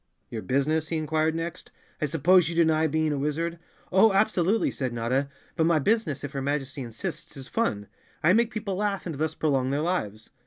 Your business ?" he inquired next. " I suppose you deny being a wizard?" "Oh, absolutely!" said Notta. "But my business, if your Majesty insists, is fun. I make people laugh and thus prolong their lives."